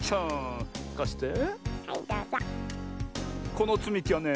このつみきはね